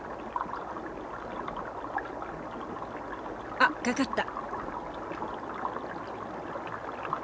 あっ掛かった！